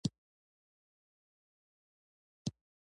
د حنا بېلتون جون د شرابو په بد عادت اخته کړ